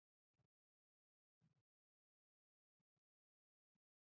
هلته یو بس چپه شوی و او مړي په شګو کې پراته وو.